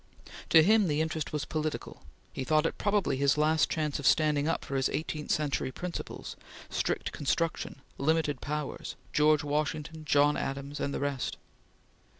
To him the interest was political; he thought it probably his last chance of standing up for his eighteenth century principles, strict construction, limited powers, George Washington, John Adams, and the rest.